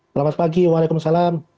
selamat pagi waalaikumsalam